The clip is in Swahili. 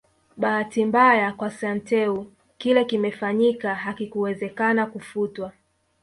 Bahati mbaya kwa Santeu kile kimefanyika hakikuwezekana kufutwa